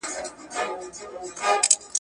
راته بدي یې ښکاریږي کږې غاړي.